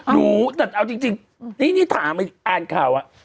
รู้แต่เอาจริงนี่ถามอ่านข่าวอะ